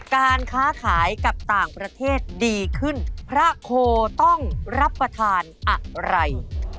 การค้าขายกับต่างประเทศดีขึ้นพระโคต้องรับประทานอะไร